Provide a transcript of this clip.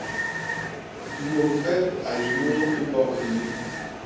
Mut mbep a yé munu mbok ini.